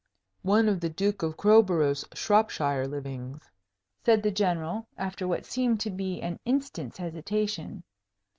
"One of the Duke of Crowborough's Shropshire livings," said the General, after what seemed to be an instant's hesitation.